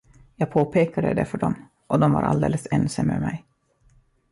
Jag påpekade det för dem, och de var alldeles ense med mig.